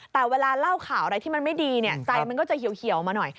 แต่เวลาเล่าข่าวอะไรที่มันไม่ดีใจมันก็จะเหี่ยวมาหน่อย